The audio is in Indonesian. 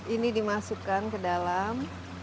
ini dimasukkan ke dalam